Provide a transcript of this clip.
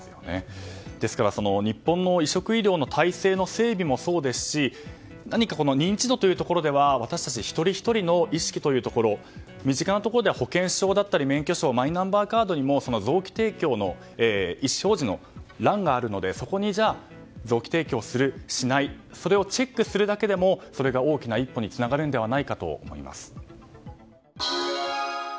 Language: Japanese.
ですから、日本の移植医療の体制の整備もそうですし何か認知度というところでは私たち一人ひとりの意識というところ身近なところでは保険証だったり免許証マイナンバーカードにも臓器提供の意思表示の欄があるのでそこに臓器提供する、しないそれをチェックするだけでもそれが大きな一歩につながるのではないかと思います。